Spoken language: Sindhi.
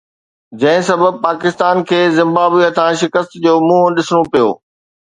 جنهن سبب پاڪستان کي زمبابوي هٿان شڪست جو منهن ڏسڻو پيو.